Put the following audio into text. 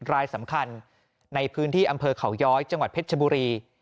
รายสำคัญในพื้นที่อำเภอเขาย้อยจังหวัดเพชรชบุรี